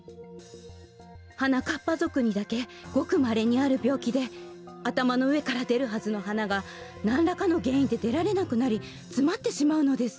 はなかっぱぞくにだけごくまれにあるびょうきであたまのうえからでるはずの花がなんらかのげんいんででられなくなりつまってしまうのです。